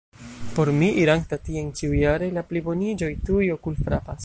Por mi, iranta tien ĉiujare, la pliboniĝoj tuj okulfrapas.